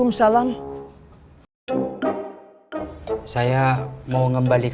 namanya juga kodok